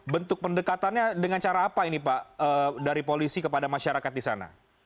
bentuk pendekatannya dengan cara apa ini pak dari polisi kepada masyarakat di sana